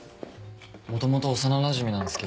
もともと幼なじみなんすけど。